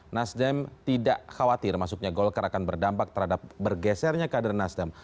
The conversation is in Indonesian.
nasdem tidak khawatir masuknya golkar akan berdampak terhadap bergesernya kader nasdem